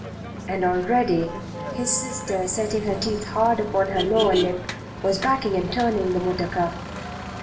And already his sister, setting her teeth hard upon her lower lip, was backing and turning the motor car.